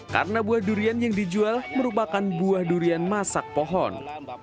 karena buah durian yang dijual merupakan buah durian masak pohon